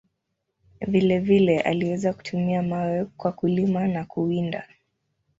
Vile vile, aliweza kutumia mawe kwa kulima na kuwinda.